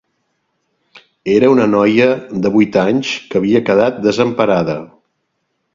Era una noia de vuit anys, que havia quedat desemparada